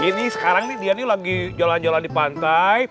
ini sekarang nih dia nih lagi jalan jalan di pantai